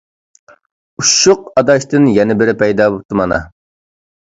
ئۇششۇق ئاداشتىن يەنە بىرى پەيدا بوپتۇ مانا!